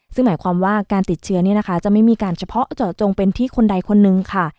ซึ่งหมายความว่าการติดเชื้อนี้นะคะจะไม่มีการเฉพาะเจาะจงเป็นที่คนใดคนนึงค่ะ